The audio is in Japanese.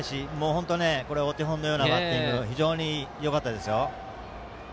本当お手本のようなバッティングで非常によかったですよ。